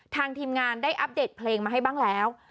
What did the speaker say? ทีมงานได้อัปเดตเพลงมาให้บ้างแล้ว